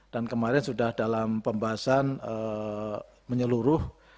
dan kemarin sudah dalam pembahasan menyeluruh